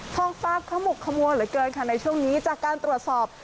ท้องฟ้าขมุกขมัวเหลือเกินค่ะในช่วงนี้จากการตรวจสอบ